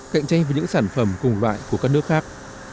cạnh tranh với những sản phẩm cùng loại của các nước khác